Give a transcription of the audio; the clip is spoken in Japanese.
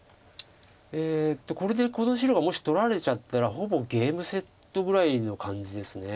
これでこの白がもし取られちゃったらほぼゲームセットぐらいの感じです。